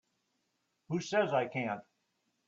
Who says I can't?